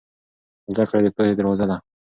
زده کړه د پوهې دروازه ده.